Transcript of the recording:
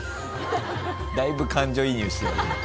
だいぶ感情移入して。